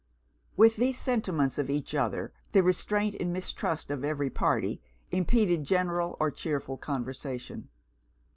With these sentiments of each other, the restraint and mistrust of every party impeded general or chearful conversation.